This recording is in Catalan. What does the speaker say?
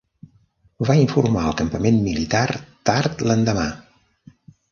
Va informar el campament militar tard l'endemà.